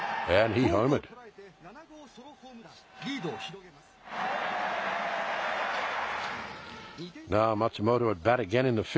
リードを広げます。